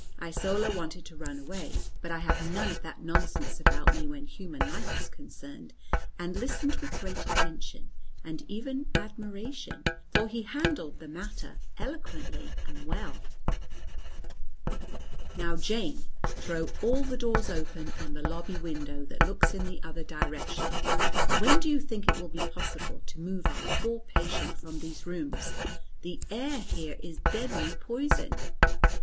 Isola wanted to run away, but I have none of that nonsense about me, when human life is concerned, and listened with great attention, and even admiration; for he handled the matter eloquently and well. "Now, Jane, throw all the doors open, and the lobby window that looks in the other direction. When do you think it will be possible to move our poor patient from these rooms? The air here is deadly poison."